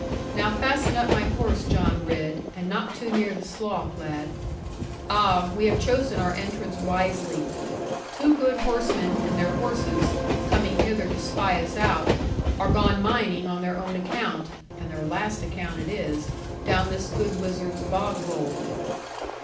Now fasten up my horse, John Ridd, and not too near the slough, lad. Ah, we have chosen our entrance wisely. Two good horsemen, and their horses, coming hither to spy us out, are gone mining on their own account (and their last account it is) down this good wizard's bog hole.'